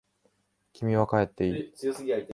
君は帰っていい。